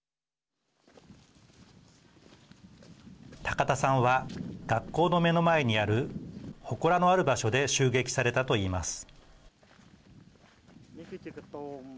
高田さんは、学校の目の前にあるほこらのある場所で襲撃されたといいます。